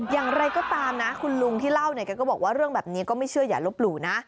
อย่างไรก็ตามนะคุณลุงที่เล่าเนี่ยแกก็บอกว่าเรื่องแบบนี้ก็ไม่เชื่ออย่าลบหลู่นะ